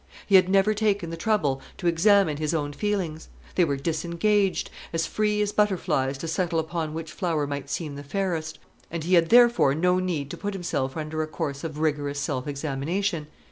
He had never taken the trouble to examine his own feelings; they were disengaged, as free as butterflies to settle upon which flower might seem the fairest; and he had therefore no need to put himself under a course of rigorous self examination.